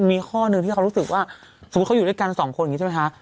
มีข้อหนึ่งที่เขารู้สึกว่าสมมุติเขาอยู่ด้วยกันสองคนอย่างนี้ใช่ไหมคะ